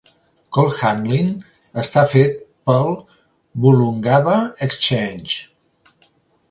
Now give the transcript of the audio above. Call Handling està fet pel Woolloongabba Exchange.